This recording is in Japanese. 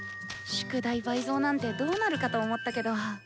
宿題倍増なんてどうなるかと思ったけど。